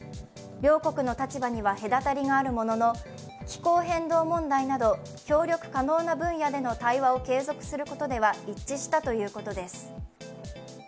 両国の立場には隔たりがあるものの気候変動問題など協力可能な分野での対話を継続することでは一致したということです。